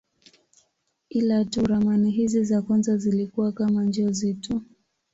Ila tu ramani hizi za kwanza zilikuwa kama njozi tu.